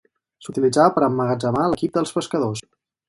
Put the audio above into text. S'utilitzava per emmagatzemar l'equip dels pescadors.